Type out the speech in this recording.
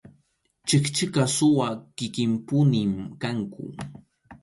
Chikchiqa suwa kikinpunim kanku.